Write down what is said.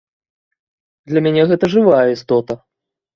Для мяне гэта жывая істота.